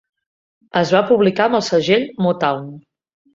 Es va publicar amb el segell Motown.